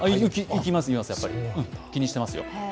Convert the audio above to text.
いきます、いきます、気にしてますよ。